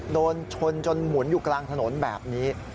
โดนชนจนหมุนอยู่กลางถนนแบบนี้